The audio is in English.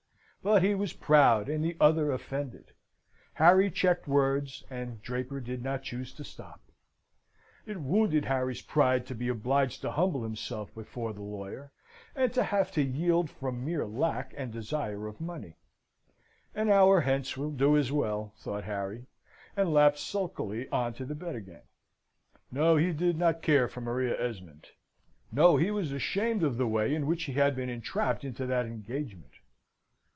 But he was proud, and the other offended: Harry checked words, and Draper did not choose to stop. It wound Harry's pride to be obliged to humble himself before the lawyer, and to have to yield from mere lack and desire of money. "An hour hence will do as well," thought Harry, and lapsed sulkily on to the bed again. No, he did not care for Maria Esmond! No: he was ashamed of the way in which he had been entrapped into that engagement.